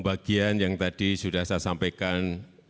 bagian yang tadi sudah saya sampaikan